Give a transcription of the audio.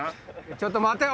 ちょっと待て！